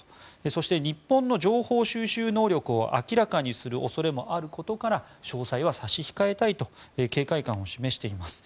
そして、日本の情報収集能力を明らかにする恐れもあることから詳細は差し控えたいと警戒感を示しています。